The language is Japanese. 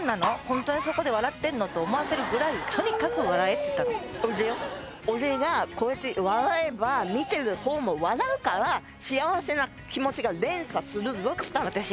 ホントにそこで笑ってんの？って思わせるぐらいとにかく笑えっていったの俺だよ俺がこうやって笑えば見てる方も笑うから幸せな気持ちが連鎖するぞっつったの私